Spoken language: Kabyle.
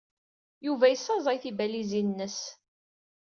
Yuba yessaẓay tibalizin-nnes.